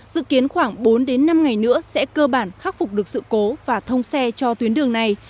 dự kiến khoảng bốn đến năm ngày nữa sẽ cơ bản khắc phục được sự cố và thông xe cho tuyến đường này